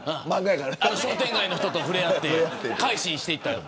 商店街の人と触れ合って改心していった。